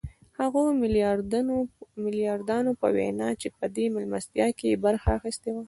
د هغو ميلياردرانو په وينا چې په دې مېلمستيا کې يې برخه اخيستې وه.